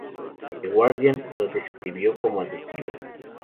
The Guardian lo describió como "adictivo".